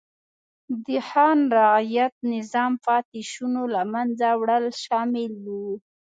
د خان رعیت نظام پاتې شونو له منځه وړل شامل و.